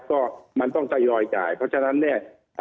ก็มันต้องทยอยจ่ายเพราะฉะนั้นเนี่ย